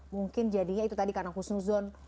mungkin jadinya itu tadi karena khusnuzon